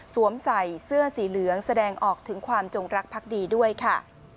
ใส่เสื้อสีเหลืองแสดงออกถึงความจงรักพักดีด้วยค่ะ